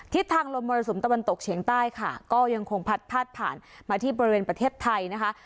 ทิศทางลมมรสุมตะวันตกเฉียงใต้ค่ะก็ยังคงพัดพาดผ่านมาที่บริเวณประเทศไทยนะคะ